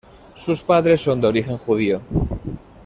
Sus padres son de origen judío.